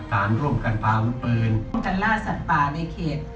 การร่วมกันฟ้าลูกเปินร่วมกันล่าสัตว์ป่าในเขต